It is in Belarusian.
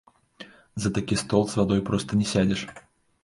За такі стол з вадой проста не сядзеш.